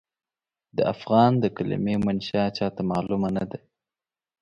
د افغان د کلمې منشا چاته معلومه نه ده.